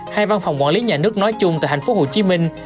hay văn phòng quản lý nhà nước nói chung tại hạnh phúc hồ chí minh